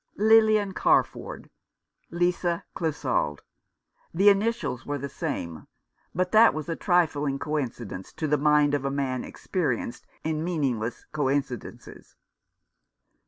Lilian Carford : Lisa Clissold. The initials were the same ; but that was a trifling coincidence to the mind of a man experienced in meaningless coincidences.